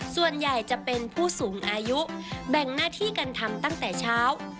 ส่วนใหญ่จะเป็นผู้สูงอายุแบ่งหน้าที่กันทำตั้งแต่เช้า